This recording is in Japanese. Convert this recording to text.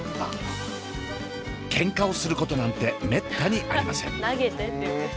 ケンカをすることなんてめったにありません。